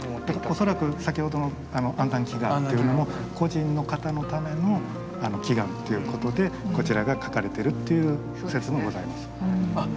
恐らく先ほどの安産祈願というのも個人の方のための祈願ということでこちらが描かれてるっていう説もございます。